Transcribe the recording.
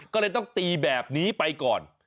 ก็เลยต้องตีแบบนี้ไปก่อน